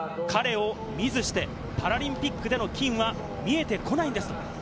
彼を見ずしてパラリンピックでの金は見えてこないんです。